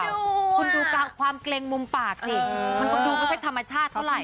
คุณดูความเกรงมุมปากสิมันก็ดูไม่ค่อยธรรมชาติเท่าไหร